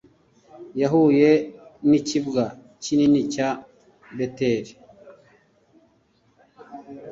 Yahuye n ikibwa kinini cya Beteli